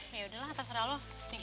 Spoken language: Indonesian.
ya udahlah terserah lo